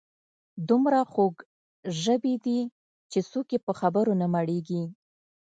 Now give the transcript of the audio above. دومره خوږ ژبي دي چې څوک یې په خبرو نه مړیږي.